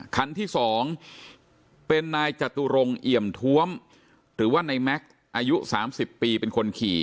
คันที่๒เป็นนายจตุรงเอี่ยมท้วมหรือว่าในแม็กซ์อายุ๓๐ปีเป็นคนขี่